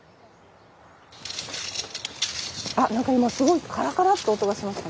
あっ何か今すごいカラカラって音がしました。